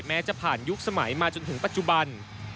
จะผ่านยุคสมัยมาจนถึงปัจจุบัน